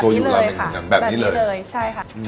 อย่างนี้เลยค่ะแบบนี้เลยใช่ค่ะ